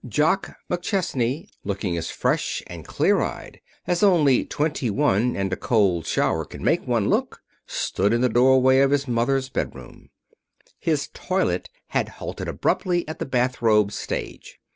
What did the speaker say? Jock McChesney, looking as fresh and clear eyed as only twenty one and a cold shower can make one look, stood in the doorway of his mother's bedroom. His toilette had halted abruptly at the bathrobe stage.